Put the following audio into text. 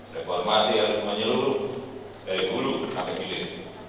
reformasi harus menyeluruh dari bulu sampai gilir